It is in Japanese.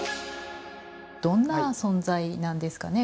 どんな存在なんですかね？